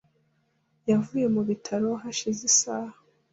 Yavuye mu bitaro hashize isaha .